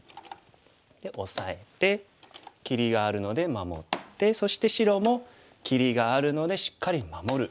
でオサえて切りがあるので守ってそして白も切りがあるのでしっかり守る。